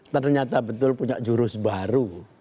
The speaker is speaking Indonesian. ternyata betul punya jurus baru